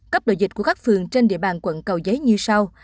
cấp độ dịch của các phường trên địa bàn quận cầu giấy như sau